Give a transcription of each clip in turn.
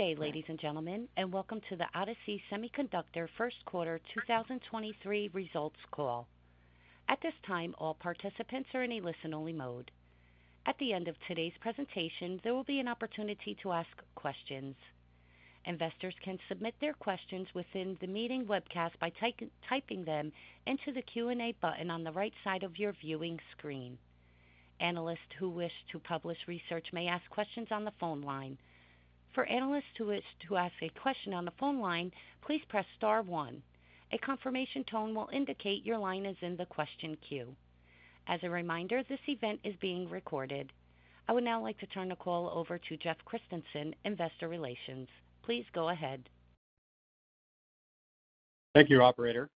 Ladies and gentlemen, and welcome to the Odysee Semiconductor First Quarter 2023 Results Call. At this time, all participants are in a listen only mode. At the end of today's presentation, there will be an opportunity to ask questions. Investors can submit their questions within the meeting webcast by typing them into the Q and A button on the right side of your viewing screen. Analysts who wish to publish research may ask questions on the phone line. As a reminder, this event is being recorded. Would now like to turn the call over to Jeff Christensen, Investor Relations. Please go ahead. Thank you, operator.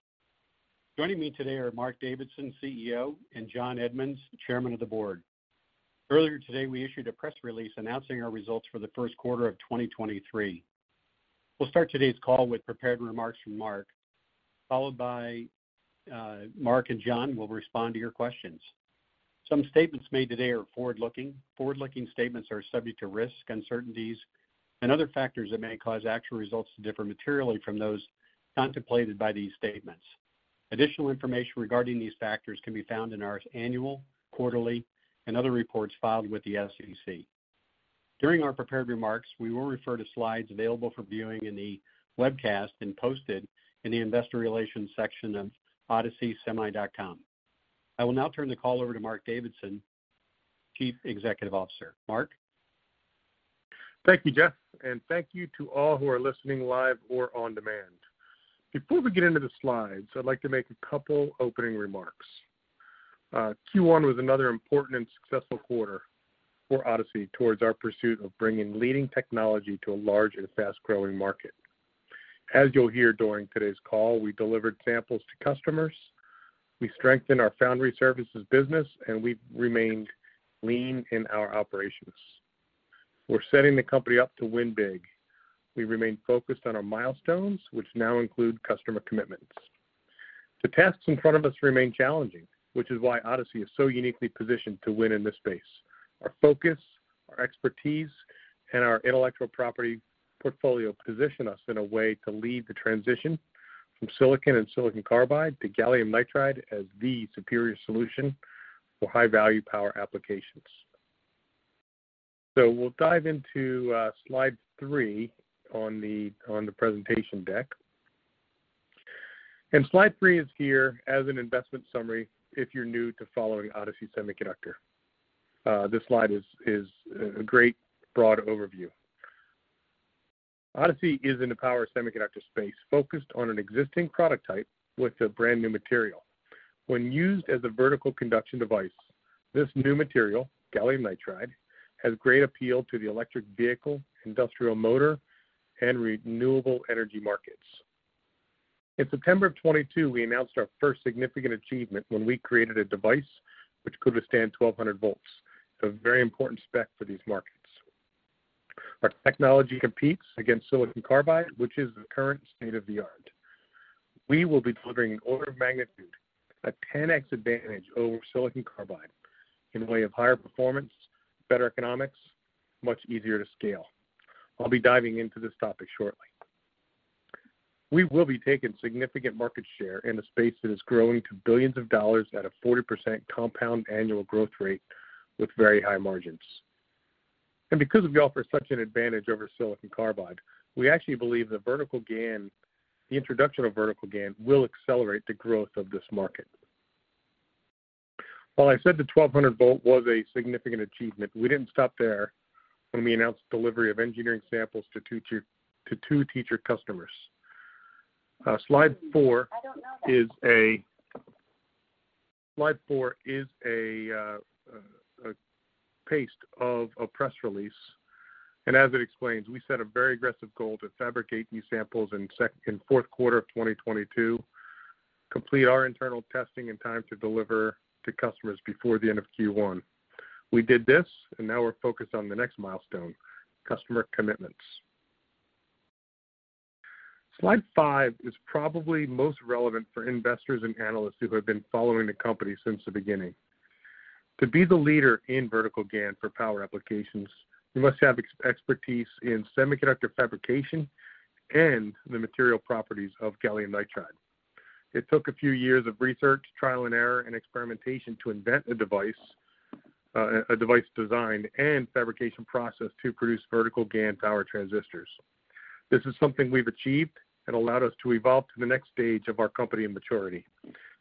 Joining me today are Mark Davidson, CEO and John Edmunds, Chairman of the Board. Earlier today, we issued a press release announcing our results for the Q1 of 2023. We'll start today's call with prepared remarks from Mark, Followed by Mark and John will respond to your questions. Some statements made today are forward looking. Forward looking statements are subject to risks, uncertainties and other factors that may cause actual results to differ materially from those contemplated by these statements. Additional information regarding these factors can be found in our annual, quarterly and other reports filed with the SEC. During our prepared remarks, we will refer to slides available for viewing in the webcast and posted in the Investor Relations section of odysseysemi.com. I will now turn the call over to Mark Davidson, Chief Executive Officer. Mark? Thank you, Jeff, And thank you to all who are listening live or on demand. Before we get into the slides, I'd like to make a couple opening remarks. Q1 was another important and successful quarter for Odysee towards our pursuit of bringing leading technology to a large and fast growing market. As you'll hear during today's call, we delivered samples to customers, we strengthened our foundry services business and we remained Lean in our operations. We're setting the company up to win big. We remain focused on our milestones, which now include customer commitments. The tasks in front of us remain challenging, which is why Odysee is so uniquely positioned to win in this space. Our focus, our expertise And our intellectual property portfolio position us in a way to lead the transition from silicon and silicon carbide to gallium nitride as The superior solution for high value power applications. So we'll dive into Slide 3 On the presentation deck. And Slide 3 is here as an investment summary if you're new to following Odyssey Semiconductor. This slide is a great broad overview. Odyssey is in the power semiconductor space focused on an existing product type With a brand new material, when used as a vertical conduction device, this new material, gallium nitride, Has great appeal to the electric vehicle, industrial motor and renewable energy markets. In September of 'twenty two, we announced our first significant When we created a device, which could withstand 1200 volts, a very important spec for these markets. Our technology competes against silicon carbide, which is the current state of the art. We will be delivering an order of magnitude, A 10x advantage over silicon carbide in way of higher performance, better economics, much easier to scale. I'll be diving into this topic shortly. We will be taking significant market share in a space that is growing to 1,000,000,000 of dollars at 40% compound annual growth rate with very high margins. And because we offer such an advantage over silicon carbide, We actually believe the vertical GaN the introduction of vertical GaN will accelerate the growth of this market. Well, I said the 1200 volt was a significant achievement. We didn't stop there when we announced delivery of engineering samples to 2 teacher customers. Slide 4 is a Paste of a press release and as it explains, we set a very aggressive goal to fabricate these samples in Q4 of 2022, Complete our internal testing and time to deliver to customers before the end of Q1. We did this and now we're focused on the next milestone, Customer Commitments. Slide 5 is probably most relevant for investors and analysts who have been following the company since the beginning. To be the leader in vertical GaN for power applications, you must have expertise in semiconductor fabrication and the material properties of gallium nitride. It took a few years of research, trial and error and experimentation to invent a device, A device design and fabrication process to produce vertical GaN power transistors. This is something we've achieved It allowed us to evolve to the next stage of our company in maturity,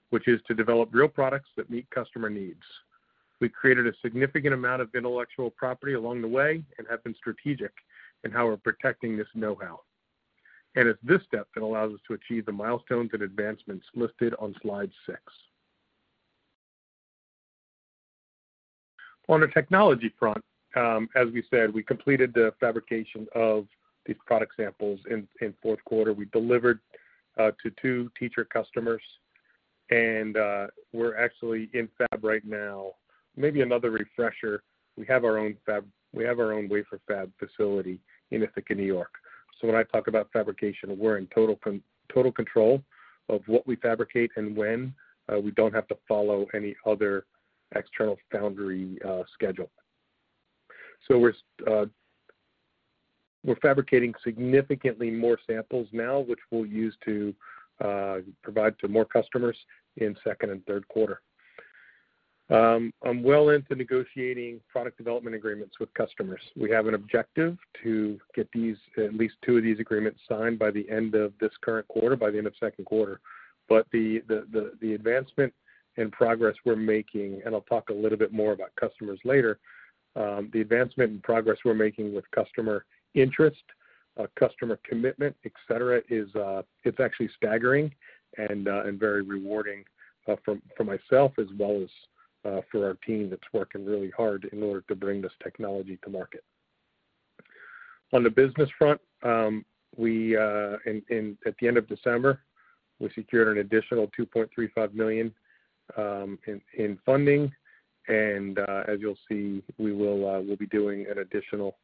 which is to develop real products that meet customer needs. We created a significant amount of Property along the way and have been strategic in how we're protecting this know how. And it's this step that allows us to achieve the milestones and advancements listed on Slide 6. On the technology front, as we said, we completed the fabrication of These product samples in Q4, we delivered to 2 teacher customers and we're actually in fab right now. Maybe another refresher. We have our own wafer fab facility in Ithaca, New York. So when I talk about fabrication, we're in total control Of what we fabricate and when, we don't have to follow any other external foundry schedule. So We're fabricating significantly more samples now, which we'll use to provide to more customers in 2nd and third quarter. I'm well into negotiating product development agreements with customers. We have an objective to get these At least 2 of these agreements signed by the end of this current quarter, by the end of Q2. But the advancement and progress we're making, and I'll talk a little bit more about Customers later, the advancement and progress we're making with customer interest, customer commitment, etcetera, is it's actually staggering And very rewarding for myself as well as for our team that's working really hard in order to bring this technology to market. On the business front, we at the end of December, we secured an additional 2,350,000 in funding. And as you'll see, we will be doing an additional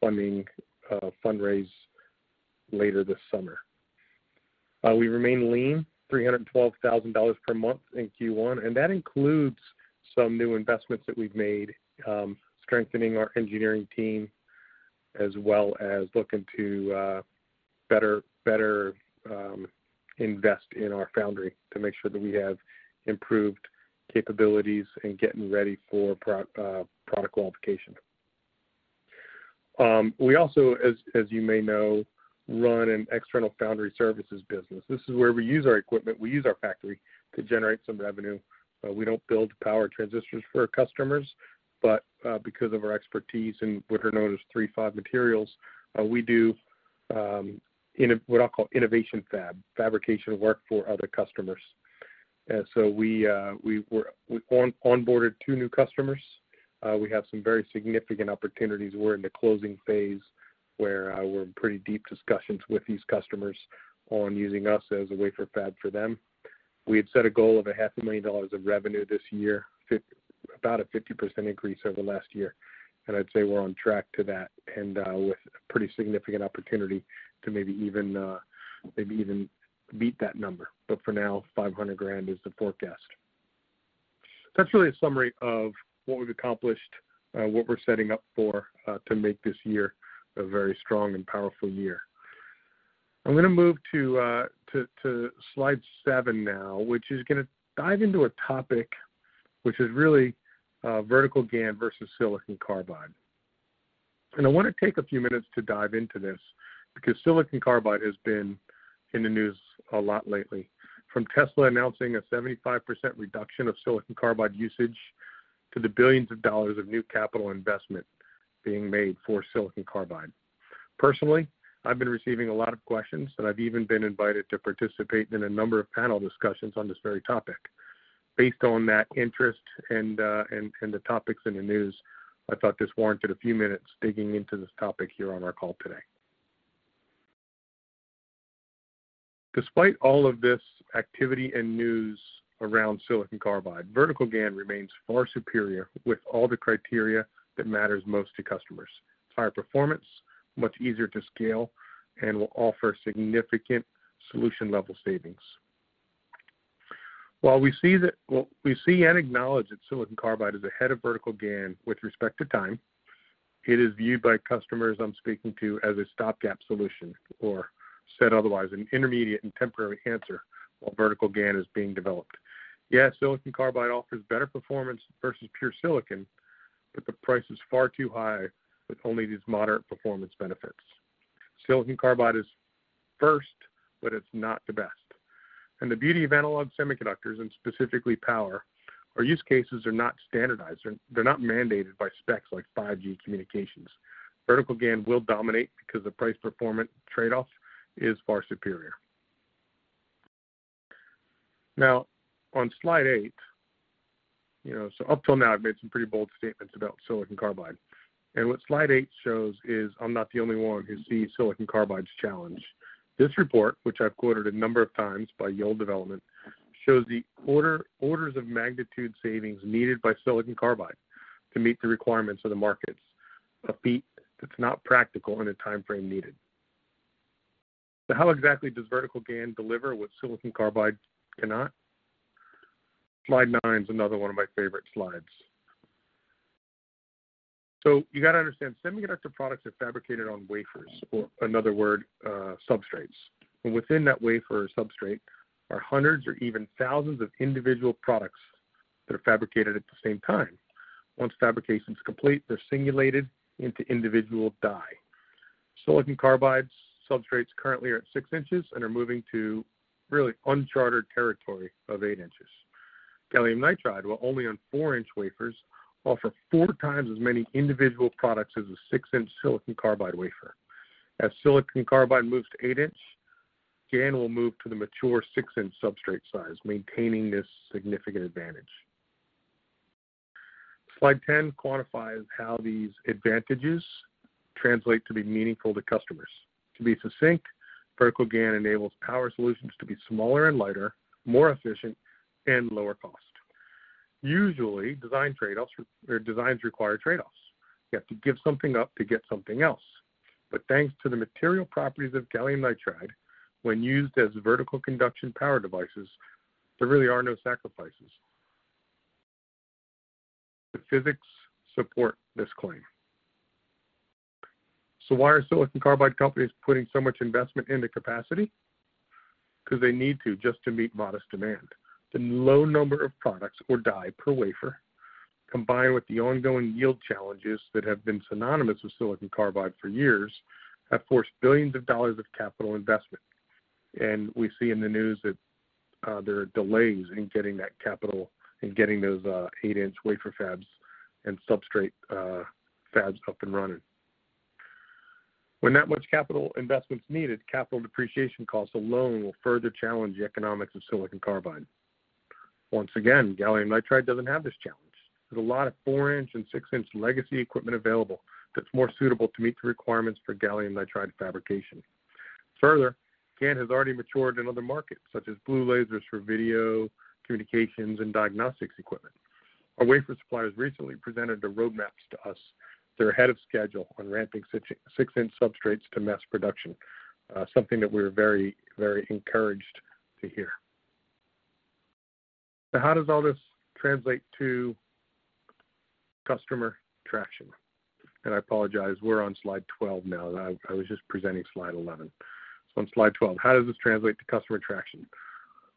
funding fundraise later this summer. We remain lean $312,000 per month in Q1, and that includes Some new investments that we've made, strengthening our engineering team as well as looking to Better invest in our foundry to make sure that we have improved capabilities and getting ready for Product qualification. We also, as you may know, run an external foundry services business. This is where we use our equipment. We use our factory To generate some revenue, we don't build power transistors for our customers, but because of our expertise in what are known as 3.5 Materials, We do, what I'll call innovation fab, fabrication work for other customers. So we We've onboarded 2 new customers. We have some very significant opportunities. We're in the closing phase where we're in pretty deep discussions with these customers On using us as a wafer fab for them, we had set a goal of $500,000 of revenue this year, about a 50% increase over last year. And I'd say we're on track to that and with pretty significant opportunity to maybe even beat that number. But for now $500 is the forecast. That's really a summary of what we've accomplished, what we're setting up for to make this year A very strong and powerful year. I'm going to move to Slide 7 now, which is going to dive into a topic, which is really vertical GaN versus silicon carbide. And I want to take a few minutes to dive into this because silicon carbide has been In the news a lot lately, from Tesla announcing a 75% reduction of silicon carbide usage to the 1,000,000,000 of dollars of new capital investment being made for Silicon Carbide. Personally, I've been receiving a lot of questions and I've even been invited to participate in a number of panel discussions on this very topic. Based on that interest and the topics in the news, I thought this warranted a few minutes digging into this topic here on our call today. Despite all of this activity and news around silicon carbide, vertical GaN remains far superior with all the criteria It matters most to customers, higher performance, much easier to scale and will offer significant solution level savings. While we see and acknowledge that silicon carbide is ahead of vertical GaN with respect to time, it is viewed by customers I'm speaking to as a Stop gap solution or said otherwise an intermediate and temporary answer while vertical GaN is being developed. Yes, silicon carbide offers better performance versus pure silicon, but the price is far too high with only these moderate performance benefits. Silicon carbide is First, but it's not the best. And the beauty of analog semiconductors and specifically power, our use cases They're not mandated by specs like 5 gs Communications. Vertical GaN will dominate because the price performance trade off is far superior. Now on Slide 8, so up till now, I've made some pretty bold statements about silicon carbide. And what Slide 8 shows is I'm not the only one who sees silicon carbides challenge. This report, which I've quoted a number of times by Yield Development, Shows the orders of magnitude savings needed by silicon carbide to meet the requirements of the markets, a feat that's not practical and a timeframe needed. So how exactly does vertical GaN deliver what silicon carbide cannot? Slide 9 is another one of my favorite slides. So you got to understand semiconductor products are fabricated on wafers or another word, substrates. And within that wafer substrate There are 100 or even thousands of individual products that are fabricated at the same time. Once fabrication is complete, they're singulated into individual die. Silicon carbide substrates currently are at 6 inches and are moving to really uncharted territory of 8 inches Gallium Nitride, while only on 4 inches wafers, offer 4 times as many individual products as the 6 inches silicon carbide wafer. As silicon carbide moves to 8 inches Jan will move to the mature 6 inches substrate size, maintaining this significant advantage. Slide 10 quantifies how these advantages translate to be meaningful to customers. To be succinct, Vertical GaN enables power solutions to be smaller and lighter, more efficient and lower cost. Usually, design trade offs or designs require trade offs. Yes, to give something up to get something else. But thanks to the material properties of Gallium Nitride, when used as vertical conduction power devices, There really are no sacrifices. The physics support this claim. So why are silicon carbide companies putting so much investment into capacity? Because they need to just to meet modest demand. The low number of products or die per wafer, combined with the ongoing yield challenges that have been synonymous with silicon carbide for years Of course, 1,000,000,000 of dollars of capital investment. And we see in the news that there are delays in getting that capital and getting those 8 inches wafer fabs and substrate fabs up and running. There's a lot of 4 inches and 6 inches legacy equipment available that's more suitable to meet the requirements for Gallium Nitride fabrication. Further, GaN has already matured in other markets such as blue lasers for video, communications and diagnostics equipment. Our wafer suppliers recently presented the roadmaps to us. They're ahead of schedule on ramping 6 inches substrates to mass production, something that we're very, very encouraged to hear. How does all this translate to customer traction? And I apologize, we're on Slide 12 now. I was just Presenting Slide 11. So on Slide 12, how does this translate to customer traction?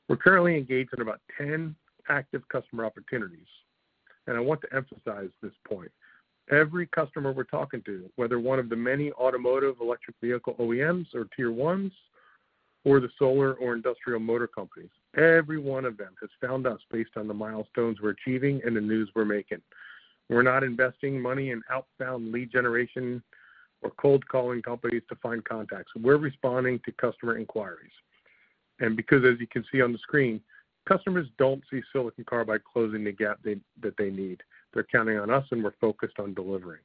We're currently engaged in about 10 active customer opportunities. And I want to emphasize this point. Every customer we're talking to, whether one of the many automotive electric vehicle OEMs or Tier 1s For the solar or industrial motor companies, every one of them has found us based on the milestones we're achieving and the news we're making. We're not investing money in outbound lead generation or cold calling companies to find contacts. We're responding to customer inquiries. And because as you can see on the screen, customers don't see silicon carbide closing the gap that they need. They're counting on us and we're focused on delivering.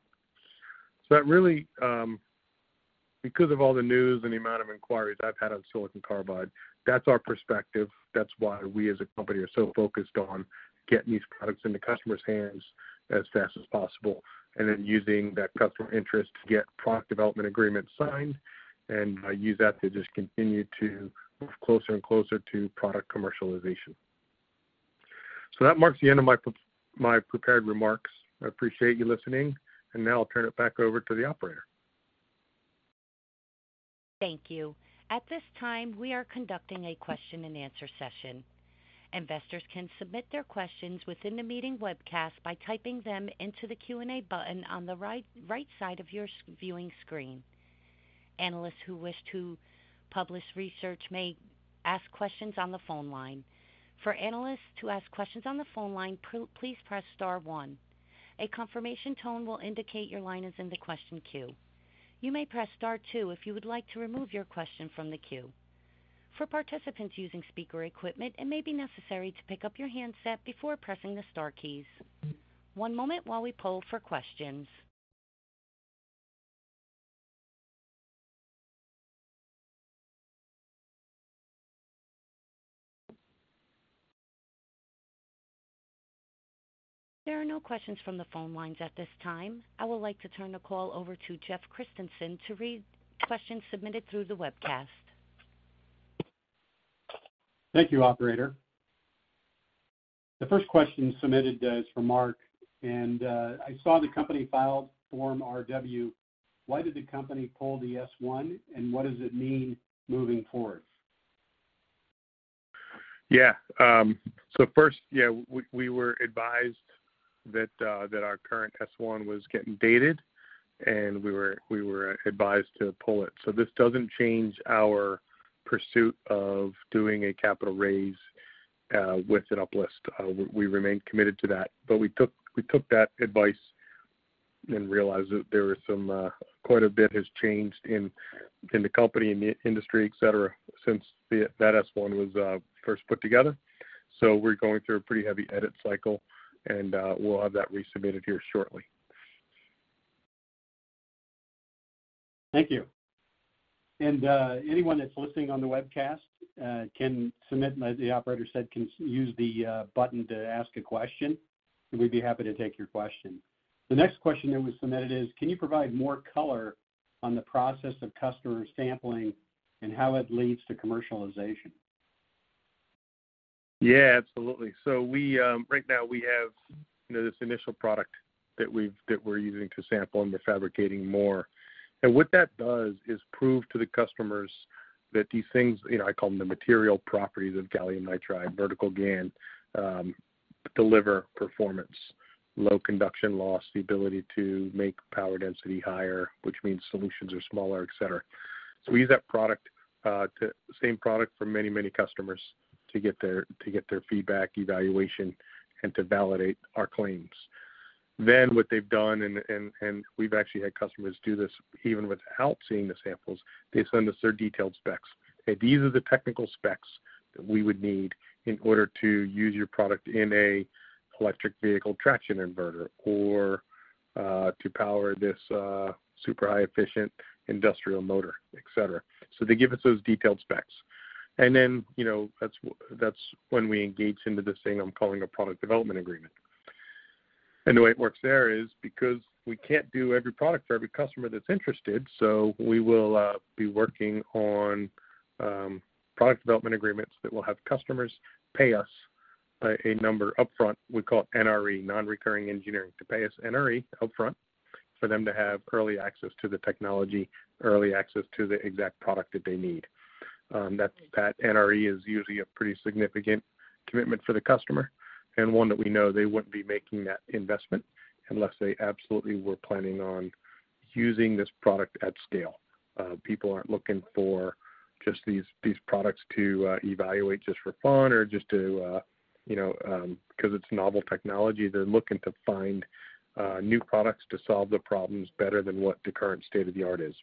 So that really, because of all the news and the amount of inquiries I've had on silicon carbide, that's our perspective. That's why we as a company are so focused on getting these products into customers' hands as fast as possible and then using that customer interest to get product development agreement And I use that to just continue to move closer and closer to product commercialization. So that marks the end of My prepared remarks. I appreciate you listening. And now I'll turn it back over to the operator. Thank you. At this time, we are conducting a question and answer session. Investors can submit their questions within the meeting web Publish Research may ask questions on the phone line. There are no questions from the phone lines at this time. I would like to turn the call over to Jeff Thank you, operator. The first question submitted is for Mark. And I saw the company filed Form RW. Why did the company pull the S-one and what does it mean Moving forward. Yes. So first, yes, we were advised That our current S-one was getting dated and we were advised to pull it. So this doesn't change our Pursuit of doing a capital raise with an uplift, we remain committed to that. But we took that advice I didn't realize that there were some quite a bit has changed in the company, in the industry, etcetera, since that S-one was first put together. So we're going through a pretty heavy edit cycle and we'll have that resubmitted here shortly. Thank you. And anyone that's listening on the webcast can submit, as the operator said, can use the button to ask Good question. We'd be happy to take your question. The next question that was submitted is, can you provide more color on the process of customer sampling And how it leads to commercialization? Yes, absolutely. So we right now, we have This initial product that we're using to sample and we're fabricating more. And what that does is prove to the customers That these things, I call them the material properties of Gallium Nitride, vertical GaN, deliver performance, Low conduction loss, the ability to make power density higher, which means solutions are smaller, etcetera. So we use that product Same product for many, many customers to get their feedback evaluation and to validate our claims. Then what they've done and we've actually had customers do this even without seeing the samples, they send us their detailed specs. These are the technical specs that we would need in order to use your product in a electric vehicle traction inverter or To power this super high efficient industrial motor, etcetera. So they give us those detailed specs. And then that's when we engage into this thing I'm calling a product development agreement. And the way it works there is because We can't do every product for every customer that's interested, so we will be working on product development agreements that will have customers pay us A number upfront, we call NRE, non recurring engineering, to pay us NRE upfront for them to have early access to the technology, Early access to the exact product that they need. That NRE is usually a pretty significant commitment for the customer And one that we know they wouldn't be making that investment unless they absolutely were planning on using this product at scale. People aren't looking for just these products to evaluate just for fun or just to Because it's novel technology, they're looking to find new products to solve the problems better than what the current state of the art is.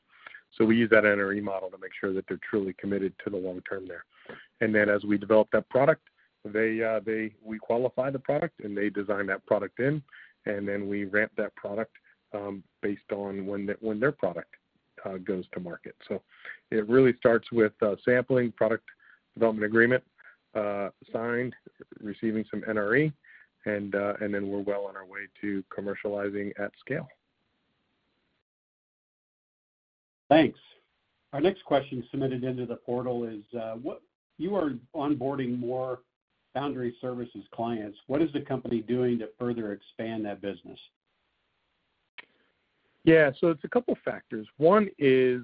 So we use that NRE model to make sure that they're truly committed to the long term there. And then as we develop that product, they we qualify the product and they design that product in and then And then we ramp that product based on when their product goes to market. So it really starts with sampling product Development agreement signed, receiving some NRE and then we're well on our way to commercializing at scale. Thanks. Our next question submitted into the portal is, what you are onboarding more Foundry Services clients, what is the company doing to further expand that business? Yes. So it's a couple of One is,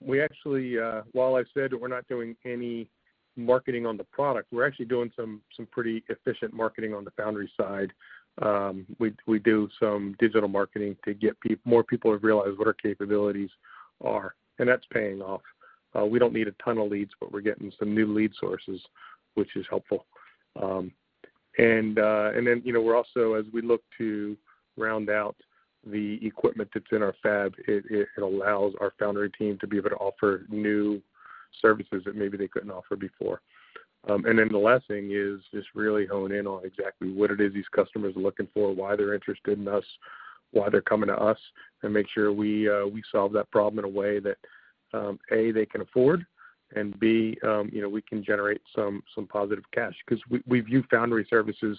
we actually while I said that we're not doing any marketing on the product, we're actually doing some pretty efficient marketing on the foundry side. We do some digital marketing to get more people to realize what our capabilities are and that's paying off. We don't need a ton of leads, but we're getting some new lead sources, which is helpful. And then we're also as we look to Round out the equipment that's in our fab, it allows our foundry team to be able to offer new services that maybe they couldn't offer before. And then the last thing is just really hone in on exactly what it is these customers are looking for, why they're interested in us, why they're coming to us And make sure we solve that problem in a way that, A, they can afford and B, we can generate Some positive cash because we view foundry services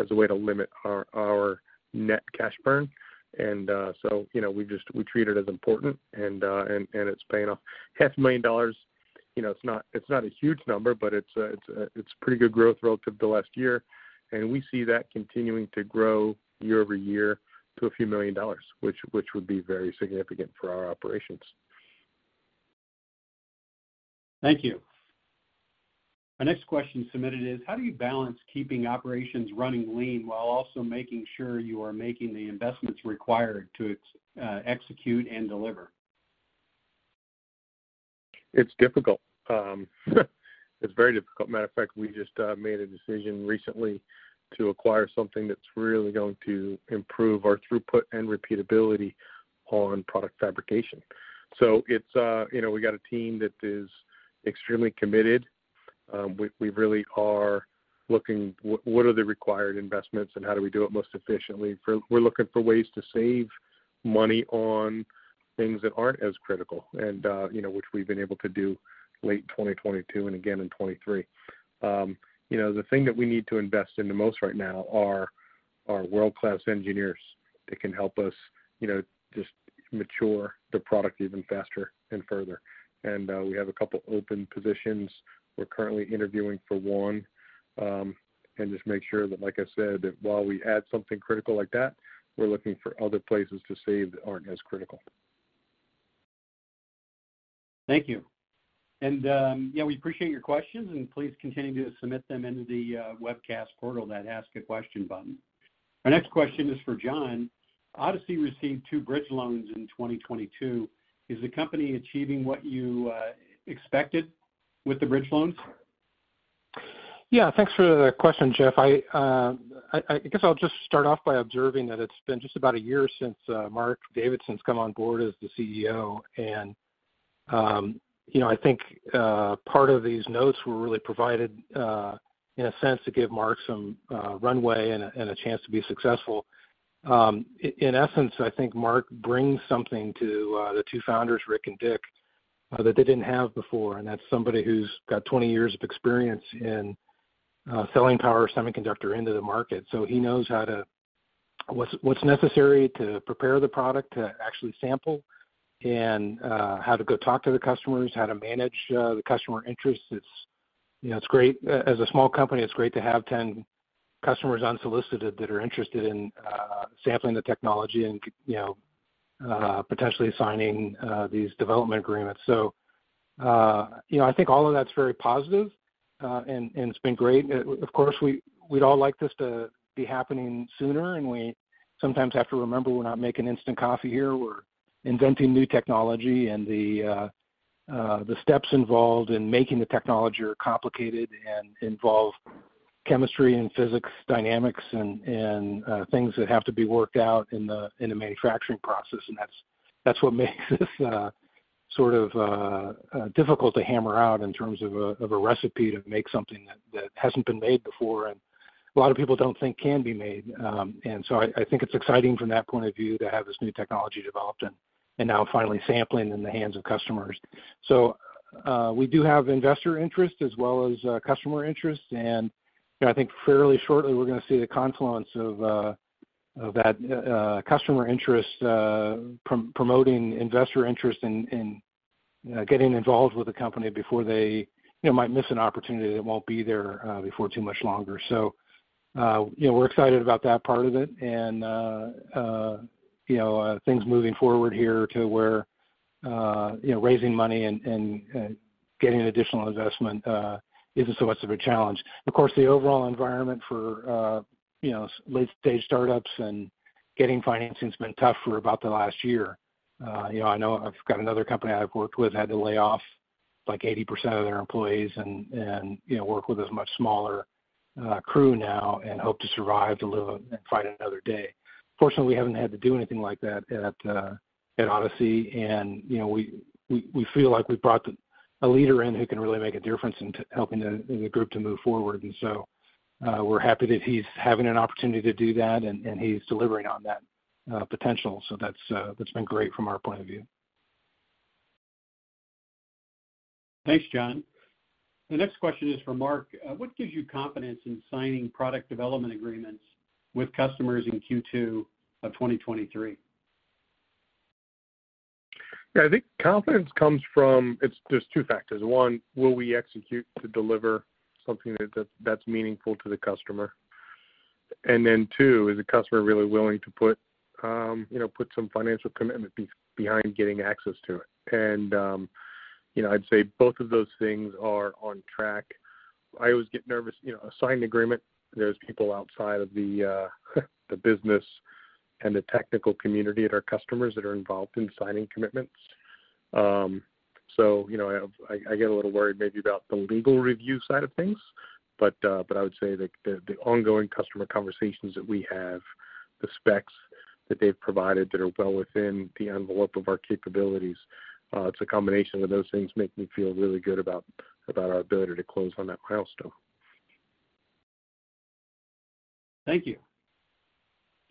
as a way to limit our net cash burn. And so we just we treat it as important and it's paying off $500,000 It's not a huge number, but it's Pretty good growth relative to last year and we see that continuing to grow year over year to a few $1,000,000 which would be very significant for our operations. Thank you. The next question submitted is, how do you balance keeping operations running lean while also making It's difficult. It's very difficult. Matter of fact, we just made a decision recently to acquire something that's really going to Improve our throughput and repeatability on product fabrication. So it's we got a team that is Extremely committed. We really are looking what are the required investments and how do we do it most efficiently. We're looking for ways to save Money on things that aren't as critical and which we've been able to do late 2022 and again in 2023. The thing that we need to invest in the most right now are our world class engineers that can help us just mature the product even faster and further. And we have a couple of open positions. We're currently interviewing for 1. And just make sure that like I said, while we add something critical like that, we're looking for other places to save that aren't as critical. Thank you. And we appreciate your questions and please continue to submit them into the webcast portal that Ask a Question button. Our next question is for John. Odyssey received 2 bridge loans in 2022. Is the company achieving what you expected With the bridge loans? Yes. Thanks for the question, Jeff. I guess I'll just start off by observing that been just about a year since Mark Davidson's come on board as the CEO. And I think part of these notes were really provided In a sense to give Mark some runway and a chance to be successful. In essence, I think Mark brings something to the 2 founders, Rick Dick, that they didn't have before and that's somebody who's got 20 years of experience in selling power semiconductor into the market. So he knows how to What's necessary to prepare the product to actually sample and how to go talk to the customers, how to manage the customer interest, Yes, it's great. As a small company, it's great to have 10 customers unsolicited that are interested in sampling the technology and Potentially signing these development agreements. So I think all of that's very positive And it's been great. Of course, we'd all like this to be happening sooner and we sometimes have to remember we're not making instant coffee here. We're Inventing new technology and the steps involved in making the technology are complicated and involve Chemistry and physics dynamics and things that have to be worked out in the manufacturing process and That's what makes this sort of difficult to hammer out in terms of a recipe to make something that hasn't been made before and A lot of people don't think can be made. And so I think it's exciting from that point of view to have this new technology developed and now finally sampling in the hands of customers. So we do have investor interest as well as customer interest. And I think fairly shortly, we're going to see the confluence That customer interest promoting investor interest in getting involved with the company before they You might miss an opportunity that won't be there before too much longer. So we're excited about that part of it and Things moving forward here to where raising money and getting additional investment So much of a challenge. Of course, the overall environment for late stage startups and getting financing has been tough for about the last year. I know I've got another company I've worked with had to lay off like 80% of their employees and work with as much smaller Crew now and hope to survive a little and fight another day. Fortunately, we haven't had to do anything like that At Odyssey, we feel like we brought a leader in who can really make a difference in helping the group to move forward. And so We're happy that he's having an opportunity to do that and he's delivering on that potential. So that's been great from our point of view. Thanks, John. The next question is for Mark. What gives you confidence in signing product development agreements With customers in Q2 of 2023. Yes, I think confidence comes from it's just 2 1, will we execute to deliver something that's meaningful to the customer? And then 2, is the customer really willing Put some financial commitment behind getting access to it. And I'd say both of those things are on track. I always get nervous. A signed agreement, there's people outside of the business and the technical community at our customers that are involved in signing commitments. So I get a little worried maybe about the legal review side of things, but I would say that the ongoing customer conversations that we have, The specs that they've provided that are well within the envelope of our capabilities, it's a combination of those things make me feel really good About our ability to close on that milestone. Thank you.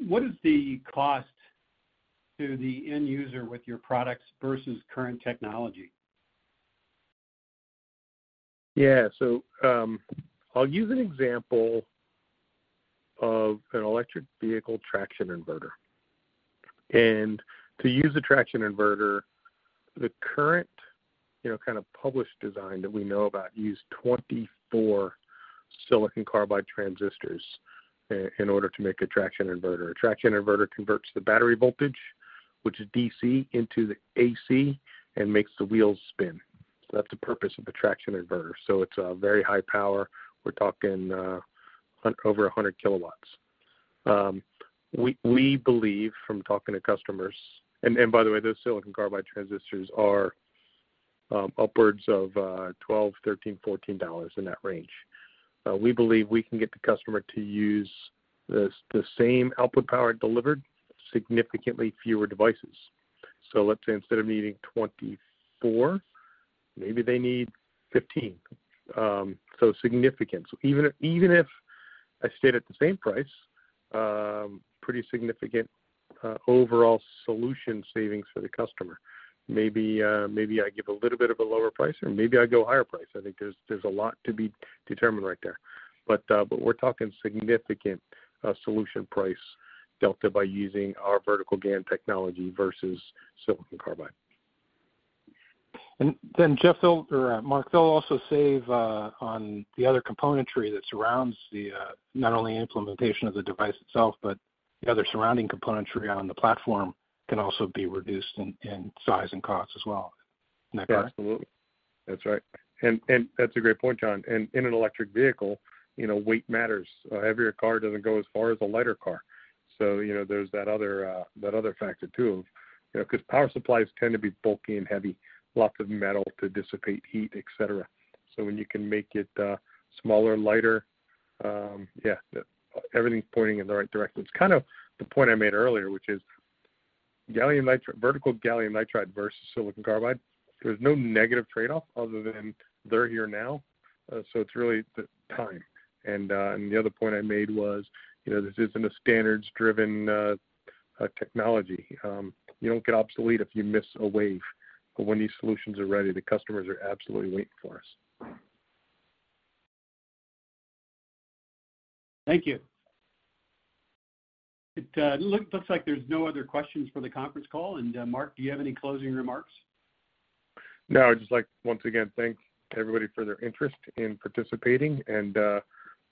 What is the cost To the end user with your products versus current technology. Yes. So, I'll use an example Of an electric vehicle traction inverter. And to use the traction inverter, the current Kind of published design that we know about use 24 silicon carbide transistors in order to make a traction inverter. A traction inverter converts The battery voltage, which is DC into the AC and makes the wheels spin. That's the purpose of the traction inverter. So it's a very high power. We're talking over 100 kilowatts. We believe from talking to customers And by the way, those silicon carbide transistors are upwards of $12,000,000 $13,000,000 $14 in that range. We believe we can get the customer to use the same output power delivered significantly fewer devices. So let's say instead of needing 24, maybe they need 15, so significant. So even if I stayed at the same price, pretty significant overall solution savings for the customer. Maybe I give a little bit of a lower price or maybe I go higher price. I think there's a lot to be determined right there. But we're talking significant Solution price delta by using our vertical GaN technology versus silicon carbide. And then Jeff, they'll or Mark, they'll also save on the other componentry that surrounds the not only implementation of the device itself, but The other surrounding componentry on the platform can also be reduced in size and cost as well. Isn't that correct? Absolutely. That's right. And that's a great point, John. And in an electric vehicle, weight matters. Heavier car doesn't go as far as a lighter car. So there's that other factor too, because power supplies tend to be bulky and heavy, lots of metal to dissipate heat, etcetera. So when you can make it smaller, lighter, yes, everything is pointing in the right direction. It's kind of the point I made earlier, which is Gallium Nitride vertical gallium nitride versus silicon carbide, there's no negative trade off other than they're here now. So it's really the time. And the other point I made was this isn't a standards driven technology. Thank you. It looks like there's no other questions for the conference call. And Mark, do you have any closing remarks? Now I'd just like once again thanks everybody for their interest in participating and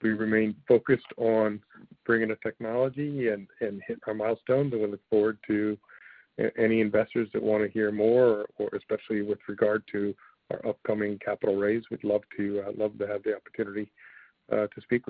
we remain focused on bringing the technology and And hit our milestones and we look forward to any investors that want to hear more or especially with regard to Our upcoming capital raise, we'd love to have the opportunity to speak